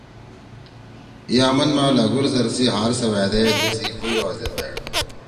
ای آمن ما لگُھور زر سی ہارسوأدے تیسی کویوا زید بیٹھ۔